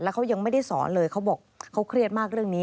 เขายังไม่ได้สอนเลยเขาบอกเขาเครียดมากเรื่องนี้